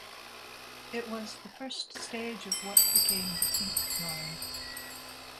It was the first stage of what became the Pink Line.